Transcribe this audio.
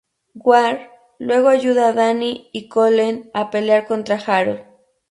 Ward luego ayuda a Danny y Colleen a pelear contra Harold.